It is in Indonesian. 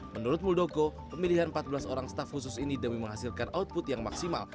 menurut muldoko pemilihan empat belas orang staff khusus ini demi menghasilkan output yang maksimal